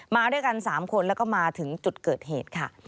มาด้วยกัน๓คนแล้วก็มาถึงจุดเกิดเหตุค่ะ